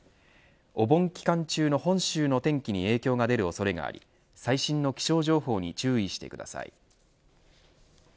お盆期間中の本州の天気に影響が出る恐れがあり最新の気象情報に注意してください。